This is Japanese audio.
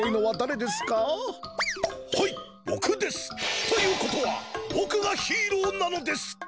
はいぼくです！ということはぼくがヒーローなのです！